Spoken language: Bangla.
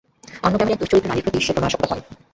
অন্য গ্রামের এক দুশ্চরিত্রা নারীর প্রতি সে প্রণয়াসক্ত হয়।